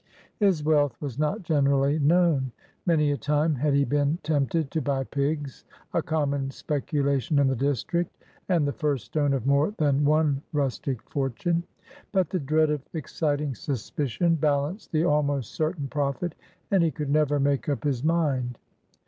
His wealth was not generally known. Many a time had he been tempted to buy pigs (a common speculation in the district, and the first stone of more than one rustic fortune), but the dread of exciting suspicion balanced the almost certain profit, and he could never make up his mind.